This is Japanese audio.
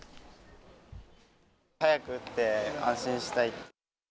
早く打って安心したい。